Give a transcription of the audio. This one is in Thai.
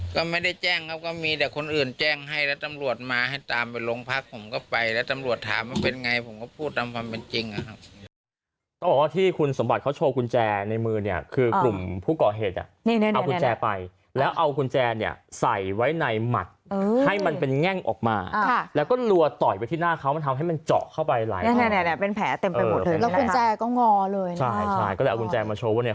ก็ไม่ได้แจ้งครับว่ามีแต่คนอื่นแจ้งให้แล้วตำรวจมาให้ตามไปโรงพักผมก็ไปแล้วตำรวจถามว่าเป็นไงผมก็พูดตามความเป็นจริงนะครับ